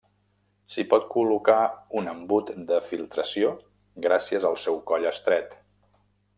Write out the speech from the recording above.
S'hi pot col·locar un embut de filtració gràcies al seu coll estret.